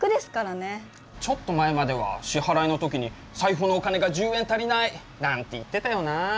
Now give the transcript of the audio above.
ちょっと前までは支払いの時に「財布のお金が１０円足りない！」なんて言ってたよなあ。